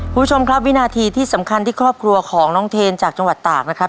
คุณผู้ชมครับวินาทีที่สำคัญที่ครอบครัวของน้องเทนจากจังหวัดตากนะครับ